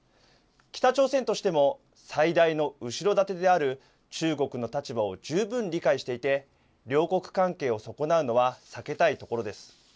北朝鮮としても最大の後ろ盾である中国の立場を十分理解していて両国関係を損なうのは避けたいところです。